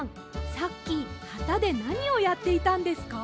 さっきはたでなにをやっていたんですか？